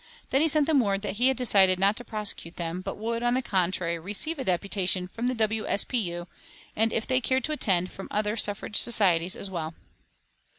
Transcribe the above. Then he sent them word that he had decided not to prosecute them, but would, on the contrary, receive a deputation from the W. S. P. U., and, if they cared to attend, from other suffrage societies as well.